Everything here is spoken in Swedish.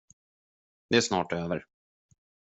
Det är snart över.